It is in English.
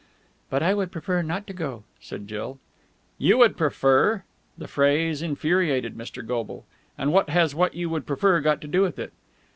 "But I would prefer not to go," said Jill. "You would prefer!" The phrase infuriated Mr. Goble. "And what has what you would prefer got to do with it?"